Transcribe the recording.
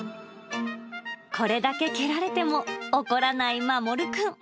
これだけ蹴られても怒らないマモルくん。